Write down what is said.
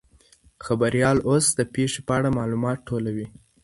خبریال اوس د پیښې په اړه معلومات ټولوي.